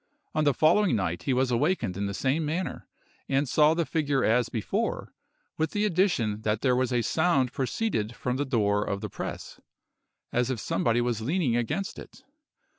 On the following night he was awakened in the same manner, and saw the figure as before, with the addition that there was a sound proceeded from the door of the press, as if somebody was leaning against it.